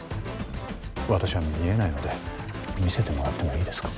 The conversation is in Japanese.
私は見えないので見せてもらってもいいですか？